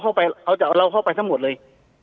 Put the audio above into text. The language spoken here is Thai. เข้าไปเขาจะเอาเราเข้าไปทั้งหมดเลย